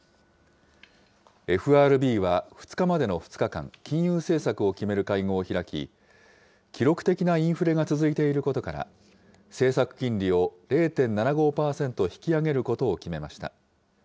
ＦＲＢは２日までの２日間、金融政策を決める会合を開き、記録的なインフレが続いていることから、政策金利を０．７５％引き上げることを決めました。